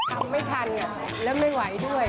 ทำไม่ทันแล้วไม่ไหวด้วย